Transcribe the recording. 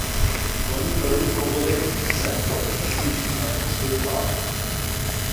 Вони брели поволеньки, злегка похитуючись на гнучких лапах.